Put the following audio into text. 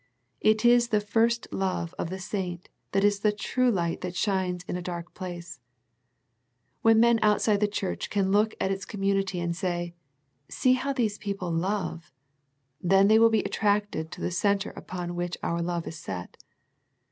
It is the first love of the saint that is the true light that shines in a dark place. When men outside the Church can look at its community and say " see how these peo ple love " then they will be attracted to the Centre upon which our love is set.